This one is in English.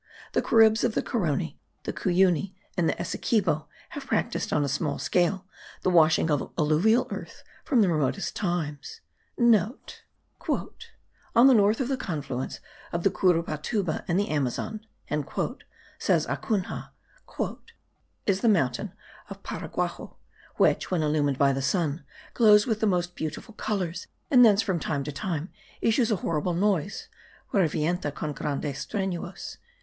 The Caribs of the Carony, the Cuyuni and the Essequibo, have practised on a small scale the washing of alluvial earth from the remotest times.* (* "On the north of the confluence of the Curupatuba and the Amazon," says Acunha, "is the mountain of Paraguaxo, which, when illumined by the sun, glows with the most beautiful colours; and thence from time to time issues a horrible noise (revienta con grandes struenos)."